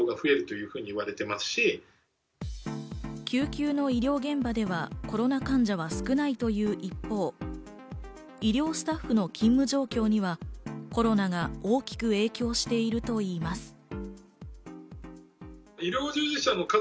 救急の医療現場ではコロナ患者は少ないという一方、医療スタッフの勤務状況にはコロナが大きく影響しているといいます。